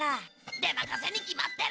でまかせに決まってる！